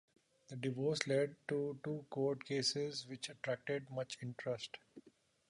The divorce led to two court cases which attracted much interest.